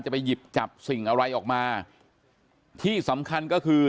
ไปหยิบจับสิ่งอะไรออกมาที่สำคัญก็คือ